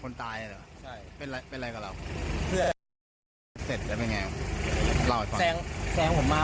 คนตายน่ะใช่เป็นไรเป็นไรกับเราเสร็จแล้วเป็นยังไงแสงแสงผมมา